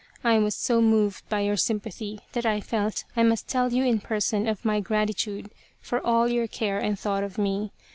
I was so moved by your sympathy that I felt I must tell you in person of my gratitude for all your care and thought of me.